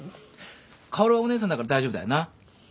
薫はお姉さんだから大丈夫だよな。